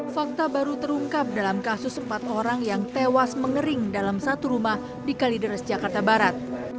fakta baru terungkap dalam kasus empat orang yang tewas mengering dalam satu rumah di kalideres jakarta barat